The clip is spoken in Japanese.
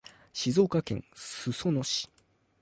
静岡県裾野市